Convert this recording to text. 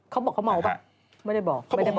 เขาบอกเขาเมาป่ะไม่ได้บอก